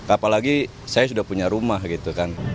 apalagi saya sudah punya rumah gitu kan